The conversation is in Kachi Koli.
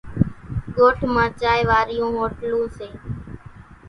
ڳوٺ مان چائيَ وارِيون هوٽلوُن سي۔